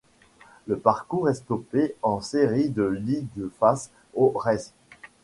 Le parcours est stoppé en Série de Ligue face aux Rays.